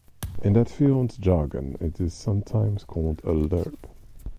In that field's jargon it is sometimes called a lerp.